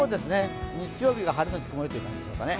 日曜日が晴れ後、曇りという感じですかね。